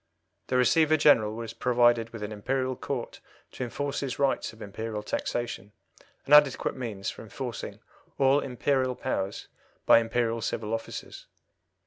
The Receiver General was provided with an Imperial Court to enforce his rights of Imperial taxation, and adequate means for enforcing all Imperial powers by Imperial civil officers.